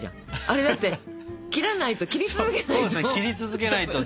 あれだって切らないと切り続けないと。